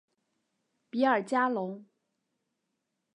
比尔加龙。